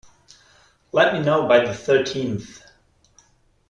Let me know by the thirteenth.